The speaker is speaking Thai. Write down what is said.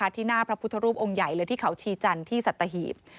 ที่หน้าพระพุทธรูปองค์ใหญ่เลยที่เขาชีจันทร์ที่สัตหีบ